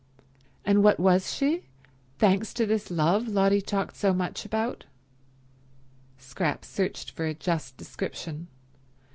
And what was she, thanks to this love Lotty talked so much about? Scrap searched for a just description.